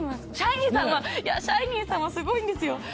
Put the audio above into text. シャイニーさんはすごいんですよ！